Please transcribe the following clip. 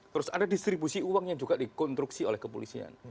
terus ada distribusi uang yang juga dikonstruksi oleh kepolisian